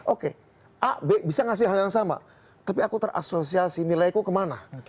oke a b bisa ngasih hal yang sama tapi aku terasosiasi nilaiku kemana